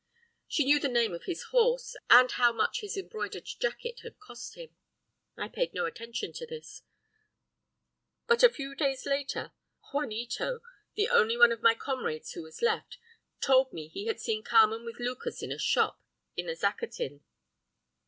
She knew the name of his horse, and how much his embroidered jacket had cost him. I paid no attention to this; but a few days later, Juanito, the only one of my comrades who was left, told me he had seen Carmen with Lucas in a shop in the Zacatin.